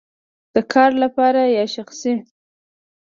د کار لپاره یا شخصی؟